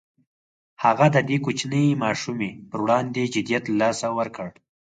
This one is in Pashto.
هغه د دې کوچنۍ ماشومې پر وړاندې جديت له لاسه ورکړ.